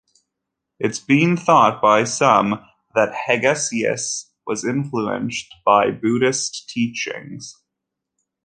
It has been thought by some that Hegesias was influenced by Buddhist teachings.